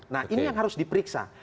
nah ini yang harus diperiksa